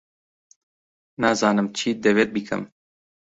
نازانم چیت دەوێت بیکەم.